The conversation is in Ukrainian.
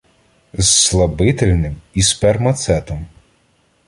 З слабительним і спермацетом